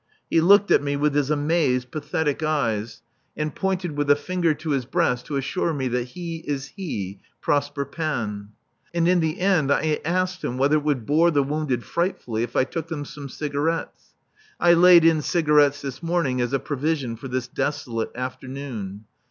He looked at me with his amazed, pathetic eyes, and pointed with a finger to his breast to assure me that he is he, Prosper Panne. And in the end I asked him whether it would bore the wounded frightfully if I took them some cigarettes? (I laid in cigarettes this morning as a provision for this desolate afternoon.)